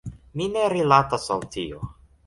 Mi ne rilatas al tio.